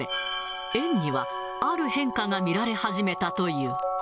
園にはある変化が見られ始めたという。